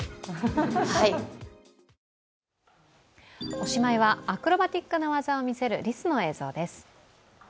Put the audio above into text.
おしまいは、アクロバティックな技を見せるりすの映像です。